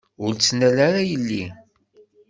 Ur ttnal ara yelli!